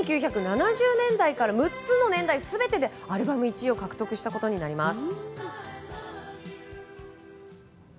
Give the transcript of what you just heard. １９７０年代から６つの年代全てでアルバム１位を獲得したことになります。